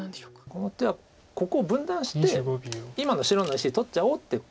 この手はここを分断して今の白の石を取っちゃおうってことじゃないです。